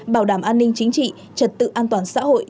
bảo đảm an ninh chính trị trật tự an toàn xã hội